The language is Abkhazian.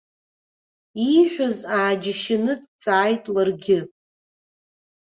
Ииҳәаз ааџьашьаны дҵааит ларгьы.